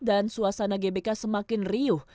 dan suasana gbk semakin riuh